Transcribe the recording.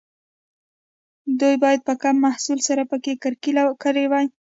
دوی باید په کم محصول سره پکې کرکیله کړې وای.